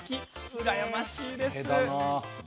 うらやましいです。